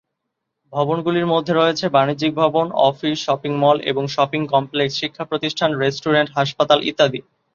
ভবনগুলির মধ্যে রয়েছে বাণিজ্যিক ভবন, অফিস, শপিং মল এবং শপিং কমপ্লেক্স, শিক্ষা প্রতিষ্ঠান, রেস্টুরেন্ট, হাসপাতাল ইত্যাদি।